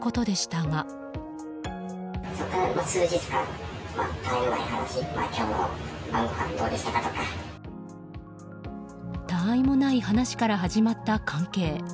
たわいもない話から始まった関係。